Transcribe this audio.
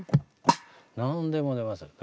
何でも出ますね。